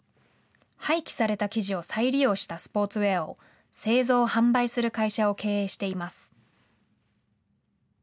廃棄された生地を再利用したスポーツウェアを製造・販売する会社を経営しています。